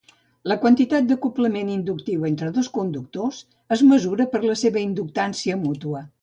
La quantitat d'acoblament inductiu entre dos conductors es mesura per la seva inductància mútua.